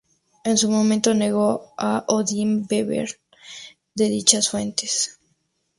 En su momento negó a Odín beber de dichas fuentes.